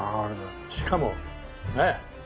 しかもねっ。